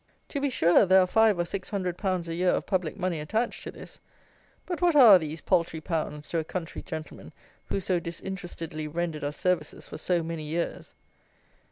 To be sure there are five or six hundred pounds a year of public money attached to this; but what are these paltry pounds to a "country gentleman," who so disinterestedly rendered us services for so many years?